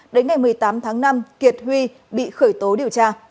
đến ngày một mươi tám tháng năm kiệt huy bị khởi tố điều tra